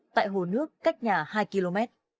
tại hồ nước cách nhà hai km